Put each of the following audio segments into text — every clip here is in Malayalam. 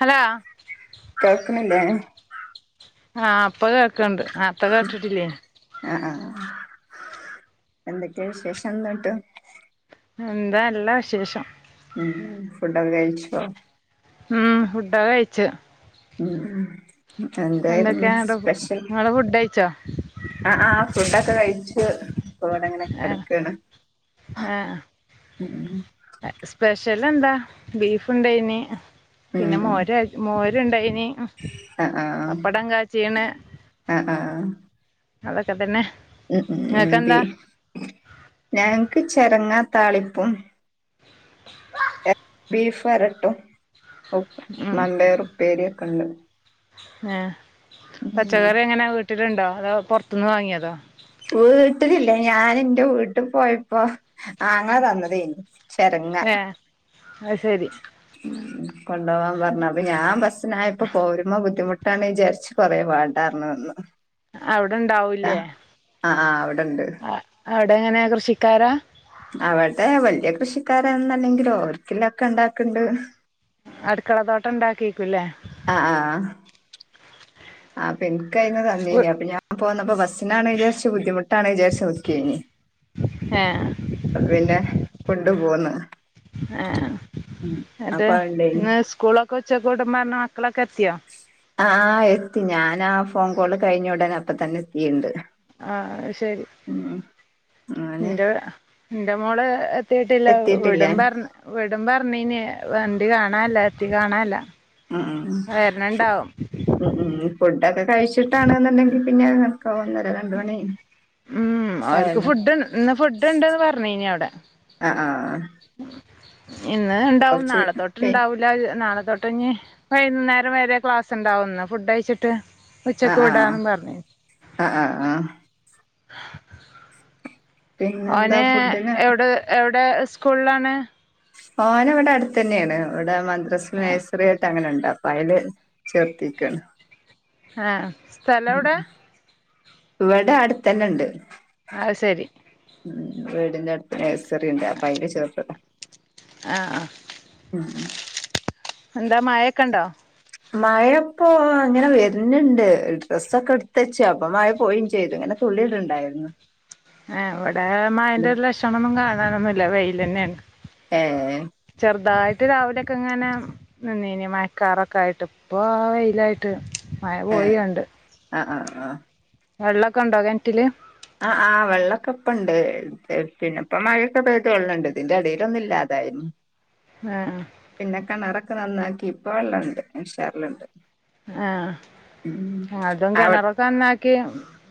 ഹലോ കേൾക്കിനില്ലേ ആഹ് ഇപ്പ കേൾക്കണ്ട് നാർത്തെ കേട്ടിട്ടില്ലേനീ ആഹ് ആഹ് എന്തൊക്കെയ വിശേഷം എന്നട്ടോ എന്താ നല്ല വിശേഷം ഉം ഫുഡൊക്കെ കഴിച്ചോ ഉം ഫുഡൊക്കെ കഴിച്ചു ഉം എന്തായിരുന്നു എന്തൊക്കെയാ ഇങ്ങട്ട് സ്പെഷ്യൽ നിങ്ങള് ഫുഡ് കഴിച്ചോ ആഹ് ആഹ് ഫുഡൊക്കെ കഴിച്ചു ഇപ്പൊ ഇവ്ടെങ്ങനെ ഏഹ് കിടക്കാണ് ഏഹ് സ്പെഷ്യൽ എന്താ ബീഫ് ഉണ്ടേന് ഉം പിന്നെ മോര മോരുണ്ടായിനി പപ്പടം കാച്ചീണ് ആഹ് ആഹ് അതക്കെ തെന്നെ ഉം ഉം ഞങ്ങക്ക് ചര്ങ്ങാ താളിപ്പും ബീഫ് വരട്ടും ഉം മമ്പേർ ഉപ്പേരി ഒക്കെണ്ട് ഏഹ് ഉം പച്ചക്കറി എങ്ങനെ വീട്ടിലുണ്ടോ അതോ പുറത്തുന്ന് വാങ്ങിയതോ വീട്ടിലില്ല ഞാന് എന്റെ വീട്ടിൽ പോയപ്പോ ആങ്ങളാ തന്നതേന് ഏഹ് ആത് ശരി ഉം കൊണ്ടവാൻ പറഞ്ഞ അപ്പൊ ഞാൻ ബസ്സിനായപ്പോ പോരുമ്പോ ബുദ്ധിമുട്ടാണ് വിചാരിച്ചത് കൊറെ വാണ്ട പറഞ്ഞുനിന്നു അവിടെണ്ടാവുംല്ലേ ആഹ് ആഹ് അവിടെണ്ട് അവിടെങ്ങനെയാ കൃഷിക്കാരാ അവടെ വലിയ കൃഷിക്കാരന്നല്ലെങ്കിലും ഒർരിക്കില്ലക്കെ ഇണ്ടാക്ക്‌ണ്ട് അടുക്കള തോട്ടം ഉണ്ടാക്കിക്കുംല്ലേ ആഹ് ആഹ് ഇന്ക്അയ്ന് തന്നീനു അപ്പൊ ഞാൻ പോന്നപ്പോ ബസ് നാണ് വിചാരിച്ചു ബുദ്ധിമുട്ടാണ് വിചാരിച്ചു നോക്കിയ്നി ഏ അപ്പൊ പിന്നെ കൊണ്ടു പോന്ന് ആഹ് എന്നട്ട് ഉണ്ടേനി ഇന്ന് സ്കൂളൊക്കെ ഉച്ചോക്കെ വിടും പറഞ്ഞ മക്കളൊക്കെ എത്തിയോ ആഹ് എത്തി ഞാനാ ഫോൺ കോള് കഴിഞ്ഞ ഉടനെ അപ്പോതെന്നെ എത്തിണ്ട് ആഹ് അയ്ശെരി അങ്ങനെ എന്റെ ന്റെ മോള് എത്തിട്ടില്ല എത്തിയിട്ടില്ലേ വിടും പറഞ്ഞ വിടും പറഞ്ഞീന്നു വണ്ടി കാണല്ല എത്തി കാണല്ല ഉം വേര്ണ്ണ്ടാവും ഉം ഉം ഫുഡൊക്കെ കഴിച്ചിട്ടാണ്ന്നുണ്ടെങ്കി പിന്നെ ഒക്കെ ഒന്നര രണ്ട് മണി ഉം അവർക്ക് ക്കായല്ലോ ഫുഡ് ഇന്ന് ഫുഡ്ണ്ട്ന്ന് പറഞ്ഞീനി അവ്ടെ ആഹ് ആഹ് ഇന്ന് ഇണ്ടാവും കൊറച്ച് നാളെത്തൊട്ട് പി ഇണ്ടാവൂ ല നാളെത്തൊട്ട്ഞ്ഞി വൈകുന്നേരം വരെ ക്ലാസ്ണ്ടാവും ഇന്ന് ഫുഡ് കഴിച്ചിട്ട് ഉച്ചക്ക് ആഹ് ആഹ് വിടാന്നും പറഞ് ആഹ് ആഹ് ആ പിന്നെന്താ ഓന് ഫുഡിന് എവ്ടെ എവ്ടെ എവ്ടെ സ്കൂൾലാണ്? ഓന് വ്ടെ അടുത്തന്നെയാണ് ഇവിടെ മദ്രസ് നേഴ്സറിയായിട്ട് അങ്ങനെണ്ട് അപ്പയ്ല് ചേർത്തിയ്ക്കാണ് ആഹ് സ്ഥലം ഉം എവിടെ ഇവടെ അട്ത്തന്നെണ്ട് അഹ് സെരി ഉം വീടിന്റെ അടുത്ത് നഴ്സറിണ്ട് അപ്പയ്ല് ചേർത്തതാ ആഹ് ആഹ് ഉം എന്താ മഴക്കെണ്ടോ? മഴപ്പോ ഇങ്ങനെ വെര്ന്ണ്ട് ഡ്രസ്സൊക്കെ എട്ത്തച്ചു അപ്പൊ മഴ പോയിം ചെയ്ത് ഇങ്ങനെ തുള്ളിട്ണ്ടായിരുന്നു ആ ഇവടെ മഴന്റൊരു ലക്ഷണൊന്നും കാണാനൊന്നുല്ല വെയില്ലെന്നേണ് ഏഹ് ചെറ്തായിട്ട് രാവിലൊക്കെങ്ങനെ നിന്നീനി മഴക്കാറൊക്കായിട്ട് ഇപ്പൊ വെയിലായിട്ട് മഴ പോയി ഏഹ് ആണ്ട് ആഹ് ആഹ് ആഹാ വെള്ളക്കെണ്ടോ കെണറ്റില്? ആഹ് ആ വെള്ളക്കപ്പെണ്ട് പിന്നപ്പം മഴയൊക്കെ പെയ്തിട്ട് വെള്ളണ്ട് ഇതിന്റെ എടേലൊന്ന് ഇല്ലതായിന്നു ആഹ് പിന്നെ കെണറൊക്കെ നന്നാക്കി ഇപ്പൊ വെള്ളണ്ട് ഉഷാറ്ല്ണ്ട് ആഹ് ഞങ്ങൾതും അവി കെണറൊക്കെ നന്നാക്കി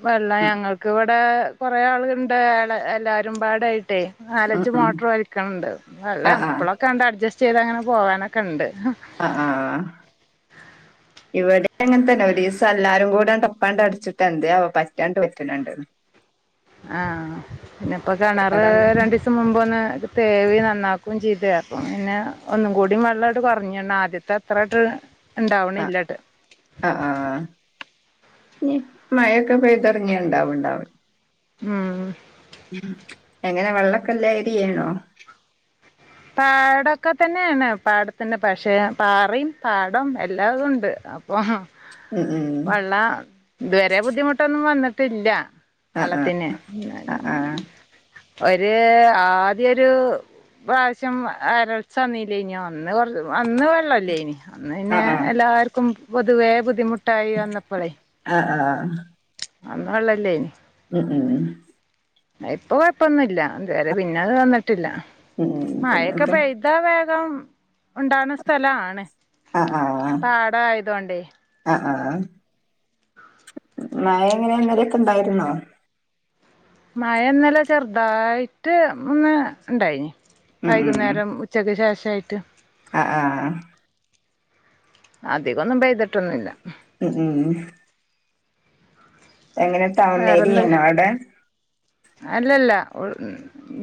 വെള്ളാ ഉം ഞങ്ങൾക്ക് വടെ കെറേ ആളുകള്ണ്ട് എല്ലാരും പാടെ ആയിട്ടേ ഉം നാലഞ്ച് ഉം മോട്ടറ് വലിക്ക്ണ് ണ്ട് വെള്ളം ആഹ് ഇപ്പെളെക്കാണ്ട് അഡ്ജസ്റ്റ് ചെയ്ത് അങ്ങനെ പോവാനൊക്കെണ്ട് ആഹ് ആഹ് ആഹാ ഇവടിം അങ്ങൻത്തന്നെ ഒരീസം എല്ലാരും കൂടാണ്ട് ഒപ്പാണ്ട് അടിച്ചിട്ട് എന്തയാവോ പറ്റാണ്ട് വറ്റ്ണണ്ട്ണ് ആഹ് പിന്നപ്പൊ കെണറ് ആഹ് രണ്ടീസ സം മുമ്പൊന്ന് തേവി നന്നാക്കും ചെയ്ത് അപ്പം പിന്നെ ഒന്നും കൂടി വെള്ളാട്ട് കൊറഞ്ണ് ആദ്യത്തെ അ ത്രാട്ട് ഇണ്ടാവണില്ല്യാട്ട് ആഹ് ആഹ് ഇഞ് മഴൊക്കെ പെയ്തറങ്ങിയാ ഇണ്ടാവുണ്ടാവും ഉം. ഉം എങ്ങനെ വെള്ളക്കെല്ല ഏരിയേണോ? പാടൊക്കെ തന്നെയാണ് പാടത്തന്നെ പക്ഷേ പാറിം, പാടും എല്ലാതുണ്ട്. അപ്പം ഉം ഉം വള്ള ഇതുവരെ ബുദ്ധിമുട്ടൊന്നും വന്നിട്ടില്ല ആഹ് വള്ളത്തിന് ആഹ് ആഹ് ഒര് ആദ്യയൊരു പ്ര പ്രാശ്യം വരൾച്ച വന്നീല്യേനിയൊ അന്ന് കൊറച്ച് അന്ന് വെള്ളല്ലേനി അന്ന് ആഹ് പിന്നെ ആഹ് ആഹ് എല്ലാർക്കും പൊതുവേ ബുദ്ധിമുട്ടായി വന്നപ്പളെ ആഹ് ആഹ് അന്ന് വെള്ളല്ലേനി. ഉം ഊം. ഇപ്പൊ കൊഴപ്പൊന്നുല്ല ഇതുവരെ പിന്നെ അത് വന്നിട്ടില്ല. ഉം ഉം മഴൊക്കെ പിന്നെന്താ പെയ്താ വേഗം ഉണ്ടാണ സ്ഥലാണ്. ആഹ് ആഹ്. ആഹ് ആഹ്. മഴ എങ്ങനെ ഇന്നാല്യൊക്കെ ണ്ടായിരുന്നോ? മഴ ഇന്നലെ ചെറുതായിട്ട് ഒന്ന് ഉണ്ടായ്നി. ഉം വൈകുന്നേരം ഉ ച്ചക്ക് ശേഷായിട്ട്. അഹ് ആഹ് അധികൊന്നും പെയ്തിട്ടൊന്നുല്ല. ഉം ഊം എങ്ങനെ ടൗൺ വേറെന്തഹ് ഏരിയാണോ അവിടെ? അല്ലല്ല ഉൾ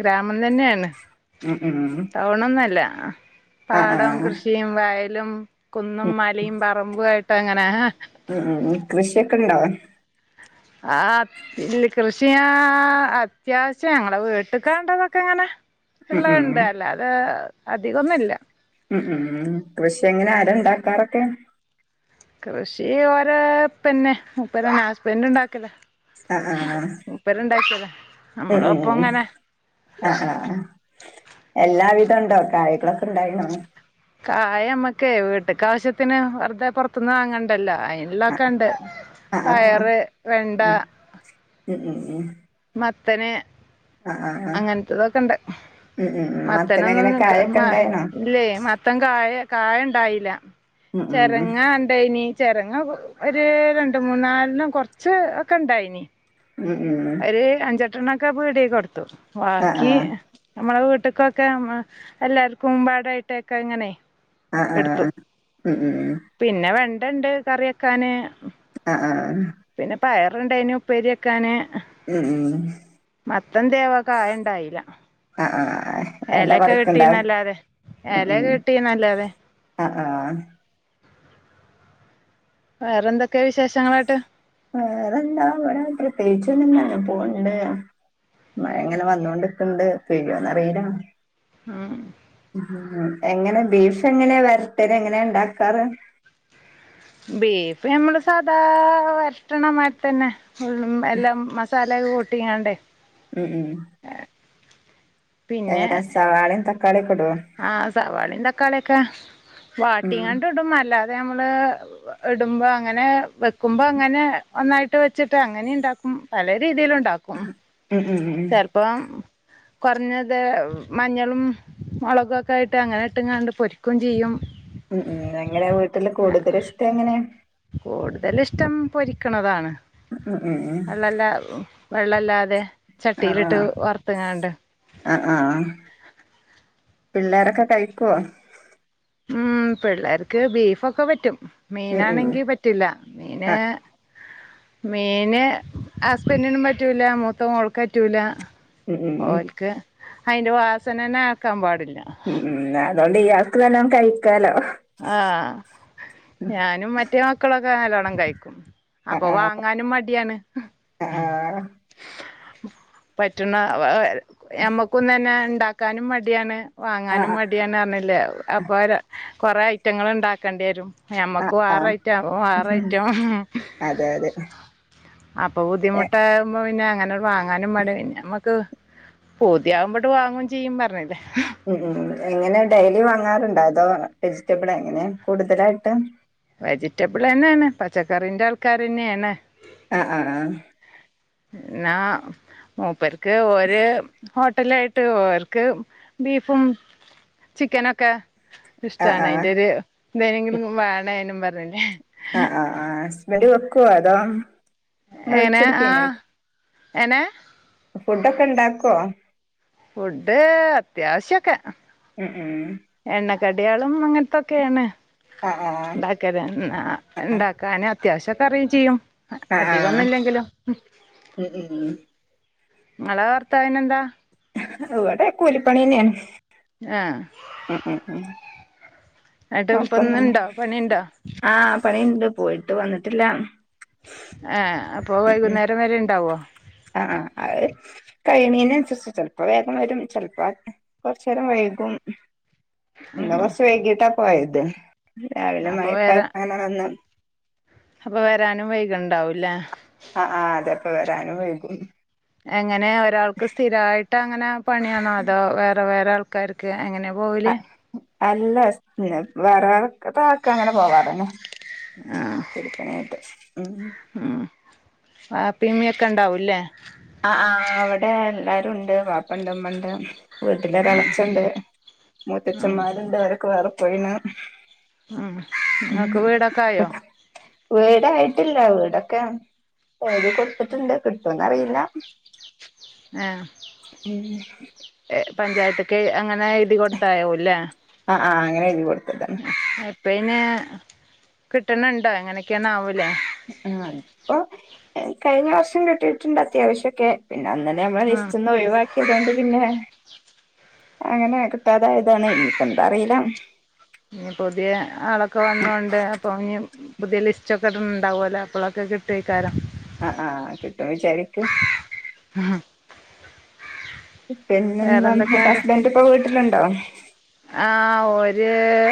ഗ്രാമം തന്നേണ്. ഉം ഊം. ടൗണൊന്നല്ല. പാടം കൃഷിയും വയലും കുന്നും മലയും പറമ്പു ആയിട്ട് അങ്ങനെ. ഉം ഉം. കൃഷിയൊക്കെണ്ടോ? ആഹ് ഇല്ല കൃഷി ഞാ അത്യാവശ്യം ഞങ്ങളെ വീട്ട്ക്കാണ്ടതൊക്കെ ഇങ്ങനെ ഉം ഉം ഇള്ളത്ണ്ട് അല്ലാതെ അധികൊന്നുംല്ല. ഉം ഉം കൃഷി എങ്ങനെ, ആരാ ണ്ടാക്കാറൊക്കെ? കൃഷി ഓരെ ഇപ്പെന്നെ. മുപ്പരെന്നെ ഹസ്ബൻറ് ണ്ടാക്കലാ. ആഹ് ആഹ് മുപ്പര് ഇണ്ടാക്ക്യതാ. ഉം നമ്മളും ഒപ്പ ഉം ങ്ങനെ. ആഹ് ആഹ് ആഹ്. എല്ലാവിധണ്ടോ, കായ്കളൊക്കെ ഇണ്ടായിണോ? കായ നമ്മക്കേ വീട്ട്ക്കാവശ്യത്തിന് വെറുതെ പൊറത്ത്ന്ന് വാങ്ങണ്ടല്ലോ. അയിന് ള്ളെതൊക്കെണ്ട്. ആഹ് ആഹ് പയറ്, വെണ്ട ഉം ഉം ഉം ഉം മത്തൻ, ആഹ് ആഹ് അങ്ങനത്തതൊക്കെണ്ട്. ഉം ഉം മത്തന് എങ്ങനെ മത്തനൊന്നും ക കായൊക്കെ മ ഉണ്ടായിണോ? ഇല്ലേ മ ത്തൻ കായ കായ ഇണ്ടായീല്ല. ഉം ഉം ചെരങ്ങ ണ്ടായിനി. ചെരങ്ങ ഒരു രണ്ട് മൂന്നാല്നം കൊറച്ച് ഒക്കെ ഇണ്ടായിനി. ഉം ഉം. ഒരു അഞ്ചെട്ടെണ്ണൊക്കെ പീട്യേ കൊടുത്തു. ആഹ് ബാക്കി ആഹ് ഞമ്മളെ വീട്ട്ക്കൊക്കെ മ് എല്ലാർക്കുംപാടായിട്ടൊക്കെ ഇങ്ങനെ. ആഹ് എടുത്തു ആഹ് മ്മ്ഹ് മ്മ്ഹ്. പിന്നെ വെണ്ടണ്ട് കറി വെക്കാന്. ആഹ് ആഹ് പിന്നെ പയറ്ണ്ടായ്നുപ്പേര്യെക്കാന്. മ്മ്ഹ് മ്മ്ഹ് മത്തൻ എന്തേ ആവം കായണ്ടായീല. ആഹ് ആഹ് എല എലക്കെ പറിക്ക്ണ്ടാവും കിട്ടീന്നല്ലാതെ ഉം എല ഉം കിട്ടീന്നല്ലാതെ. ആഹ് ആഹ് വേറെന്തൊക്കെയാ വിശേഷങ്ങള്ങ്ട്ട്? വേറെന്താ ഇവടെ പ്രത്യേകിച്ചൊന്നുല്ല ഇങ്ങ പോവ്ണ്ട്. മഴങ്ങനെ വന്നോണ്ട്ക്ക്ണ്ട് പെയ്യോന്നറീല്ല. ആഹ്. എങ്ങനെ ബീഫ് എങ്ങനെയാ വരട്ടൽ? എങ്ങനെയ ഉണ്ടാക്കാറ്? ബീഫ് നമ്മള് സാദാ വരട്ടണമായിരിത്തന്നെ. മ്മ്ഹ് എല്ലം മസാലയൊക്കെ കൂട്ടീങ്ങാണ്ടെ മ്മ്ഹ് മ്മ്ഹ് ഏഹ് എങ്ങനാ സവാളയും തക്കാളിയൊക്കിടുവോ? ആഹ് സവാളീം തക്കാളിയൊക്കെ ഉം വാട്ടിങ്ങാണ്ട് ഇടും അല്ലാതെ നമ്മള് ഇടുമ്പോ അങ്ങനെ വെക്കുമ്പോ അങ്ങനെ ഒന്നായിട്ട് വെച്ചിട്ട് അങ്ങനെ ഇണ്ടാക്കും പല രീതിയില്ണ്ടാക്കും. ഉം ഉം ഉം ക്കും ചെലപ്പോം കൊറഞ്ഞത് മഞ്ഞളും മുളകൊക്കെ ഇട്ട് അങ്ങനെ ഇട്ട്ങ്ങാണ്ട് പൊരിക്കും ചെയ്യും. മ്മ് മ്മ് എങ്ങനെയാ വീട്ടില് കൂടുതലിഷ്ടെങ്ങനെയാ? കൂടുതലിഷ്ടം പൊരിക്കണതാണ്. ഉം ഉം ഉം വെള്ളല്ല വെള്ളല്ലാതെ ചട്ടിയിലിട്ട് വറുത്തങ്ങാണ്ട്. അഹ് ആഹ്. പിള്ളേരൊക്കെ കഴിക്കുവോ? മ്മ്ഹ് പിള്ളേർക്ക് ബീഫൊക്കെ പറ്റും ഉം ഉം മീനാണെങ്കി പറ്റ് റ്റില്ല. മീനെ ആഹ് മീന് ഹസ്ബൻഡിനും പറ്റൂല, മൂത്ത മോൾക്ക്‌ പറ്റൂല. ഉം ഉം ഓൽക്ക് അയിന്റെ വാസനന്നെ കേക്കാൻ പാടില്ല. മ്മ്ഹ് അതുകൊണ്ട് ഇയാൾക്ക് നല്ലോ കഴിക്കാലോ? ആഹ് ഞാനും മറ്റേ മക്കളൊക്കെ നല്ലോണം കഴിക്കും. അപ്പൊ ആഹ് വാങ്ങാനും മടിയാണ്. പറ്റുണ ഞമ്മക്കും തന്നെ ഇണ്ടാക്കാനും മടിയാണ്. വാങ്ങാനും ആഹ് മടിയാന്നറിഞ്ഞില്ലേ. അപ്പൊ കൊറെേ ഐറ്റങ്ങള്ണ്ടാക്കേണ്ടി വരും. ഞമ്മക്ക് വേറ ആഹ് ഐറ്റം അവർ വേറ ഐറ്റം. അതെ അതെ അപ്പൊ എ ബുദ്ധിമുടട്ടാകുമ്പോ പിന്നെ അങ്ങനെ വാങ്ങാനും മടിയ. പിന്നെ മ്മക്ക് പൂതിയാവുമ്പോട് വാങ്ങും ചെയ്യും പറഞ്ഞില്ലേ? മ്മ്ഹ് എങ്ങനെ ഡെയിലി വാങ്ങാറുണ്ടോ? അതോ വെജിറ്റബിൾ എങ്ങനെയ കൂടുതലായിട്ടും? വെജിറ്റബിളെന്നെയാണ്. പച്ചക്കറിന്റെ ആൾക്കാറെന്നെയാണ്. ആഹ് ആഹ് ആഹ് ന്നാ മൂപ്പർക്ക് ഒരു ഹോട് ട്ടലായിട്ട് ഓർക്ക് ബീഫും ചിക്കനൊക്കെ ആഹ് ഇഷ്ടാണ്. ആഹ് അയ്ന്റെ ഒരു ന്തേനെങ്കിലും വേണേനും പറഞ്ഞില്ലേ? ആഹ് ആഹ് ഹസ്ബന്റ് വെക്കുവോ അതോ? നിങ്ങള് വെച്ച് എനെ കൊടുക്കേ ആഹ് എനെ? ഫുഡൊക്ക്‌ണ്ടാക്കോ? ഫുഡ് അത്യാവശ്യൊക്കെ? മ്മ്ഹ് മ്മ്ഹ് എണ്ണക്കടയാളും അങ്ങനത്തൊക്കെയാണ് ആഹ് ആഹ് ഉണ്ടാക്കന്ന ന്നാ ഉണ്ടാക്കന്ന് അത്യാവശ്യംക്കെ അറിയയും ചെയ്യും ആഹ് അധികംന്നും ആഹ് ഇല്ലെങ്കിലോ ഉം ഉം നിങ്ങളെ ഭർത്തവിന എന്താ ഇവിടെ കൂലിപ്പണി എന്നെയാണ് ആഹ ഉം ഉം ഉം എട്ട് ഇപ്പൊ ന്ന് കൊഴപ്പൊന്നുല്ല ഇണ്ടോ പണിയുണ്ടോ ആഹ് പണിയുണ്ട് പോയിട്ട് വന്നിട്ടില്ല ഏഹ് അപ്പൊ വൈകുന്നേരം വരെ ഉണ്ടാവോ അ ആഹ് അഹ് കഴിനേന് അനുസരിച്ച് ചെലപ്പോ വേഗം വരും ചിലപ്പോ കൊറച്ച് നേരം വൈകും ഇന്ന് കൊറച്ച് വൈകീട്ടാ പോയത് രാവിലെ അപ്പൊ മഴക്കായപ്പോ അങ്ങനെ നിന്ന് അപ്പ വരാനും വൈകണ്ടാവൂല്ലേ ആ ആ അതെപ്പ വരാനും വൈകും എങ്ങനെ ഒരാൾക്ക് സ്ഥിരമായിട്ട് അങ്ങനെ പണിയാണോ അതോ വേറെ വേറെ ആൾക്ക് ക്കാർക്ക് എങ്ങനെ പോവൽ അല്ല വേറെ വേറെ ആക്കെ അങ്ങനെ പോവാറന്നെ കുരിപ്പനായിട്ട് ഉ ഉം വാപ്പിം ഉമ്മി യൊക്കെ ഉണ്ടാവല്ലേ ആ ആ ഇവിടെ എല്ലാരും ഉണ്ട് വാപ്പ ഉണ്ട് ഉമ്മ ഉണ്ട് വീട്ടിലൊരളച്ചണ്ട് ഉം മൂത്തച്ഛന്മാരുണ്ട് അവരൊക്കെ വേറെ പോയിണ് ഉം ഇങ്ങക്ക് ഉം വീടൊക്കെ ആയോ [unintelligible] വീടായിട്ടില്ല വീടൊക്കെ എഴുതി കൊടുത്തിട്ടുണ്ട് കിട്ടുംന്ന്റിയില്ല ഏഹ് ഉം പഞ്ചായത്ത്ക്ക് അങ്ങനെ എഴുതി കൊടുത്താവൂലേ ആ ആ അങ്ങനെ എഴുതി കൊടുത്തതാണ് പിന്നെ കിട്ടണുണ്ടോ എങ്ങനെയൊക്കെയാണ് ആവല്ലേ ആ അപ്പോ കഴിഞ്ഞ വർഷം കിട്ടിട്ടിണ്ട് അത്യാവശ്യം ഒക്കെ പിന്നെ ഒന്നിനെ നമ്മൾ ഉം ലിസ്റ്റ് ന്ന് ഒഴിവാ ക്കി അതുകൊണ്ട് പിന്നെ അങ്ങനെ കിട്ടാതായതാണ് ഇനിപ്പ എന്താ അറിയില ഇനി പുതിയ ആളൊക്കെ വന്നൊണ്ട് അപ്പൊ ഇഞ് പുതിയ ലിസ്റ്റ് ഒക്കെ ഉണ്ടാവുമല്ലൊ അപ്പോഴൊക്കെ കിട്ടുവക്കാരം ആ ആ കിട്ടും വിചാരിക്ക ഉം ഹ് പിന്നെന്താ അ ന്റെ വേറെന്തൊക്കെണ്ട് ഹസ്ബന്റ് ഇപ്പോ വീട്ടിലുണ്ടോ ആ ഓര്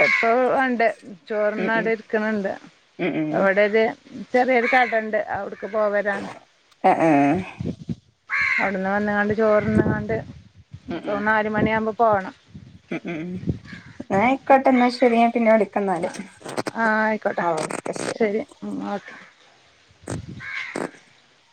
ഇപ്പോ ഉണ്ട് ചോർ ഉം ന്നട്ട് ഇരിക്കുന്നുണ്ട് ഉം ഉം ഉം ഇവിട ഒരു ചെറിയൊരു കടു കടണ്ട് അവിടെ പോവലാ ആ ആ അവിടന്ന് വന്നണ്ട് ചോറ്ന്നണ്ട് ഉം ഇപ്പൊ ഉം ഒന്ന് നാൽ മണി ആകുമ്പോ പോകണം ഉം ഉം ന്നാ അയ്ക്കോട്ടെ എന്നാ ശരി ഞാൻ പിന്നെ വിളിക്കാ ആ എന്നാല് ആ ആയിക്കോട്ടെ ശരി ഓക്കെ [unintelligible]